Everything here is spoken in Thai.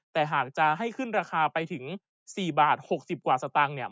แต่หากจะให้ขึ้นราคาไปถึง๔บาท๖๐กว่าสตางค์เนี่ย